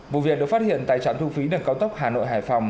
vụ việc được phát hiện tại trạm thu phí đường cao tốc hà nội hải phòng